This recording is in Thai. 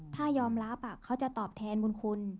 ถ้ายอมรับเขาจะตอบแทนบุญคุณ